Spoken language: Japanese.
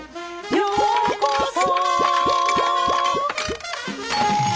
「ようこそ」